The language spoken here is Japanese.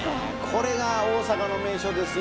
これが大阪の名所ですよ。